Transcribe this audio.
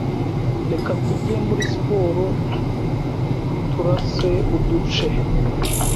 Reka tujye muri siporo turase uduce.